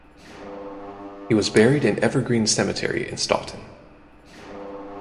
He was buried in Evergreen Cemetery in Stoughton.